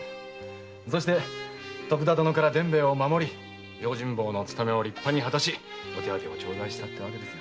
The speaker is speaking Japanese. そして徳田殿から伝兵衛を守り用心棒の務めを立派に果たしお手当てを頂戴したってわけです。